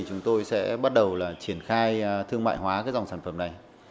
chúng tôi sẽ bắt đầu là triển khai thương mại hóa cái dòng sản phẩm này